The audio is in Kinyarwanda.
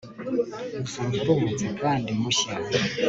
uzumva uruhutse kandi mushya